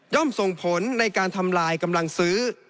ส่งผลในการทำลายกำลังซื้อ